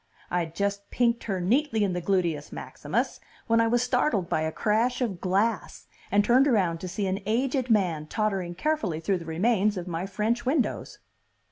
I'd just pinked her neatly in the gluteus maximus, when I was startled by a crash of glass, and turned around to see an aged man tottering carefully thru the remains of my French windows.